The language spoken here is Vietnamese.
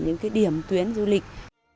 những điểm tuyến du lịch